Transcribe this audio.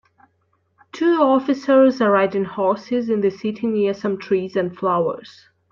Two officers are riding horses in the city near some trees and flowers.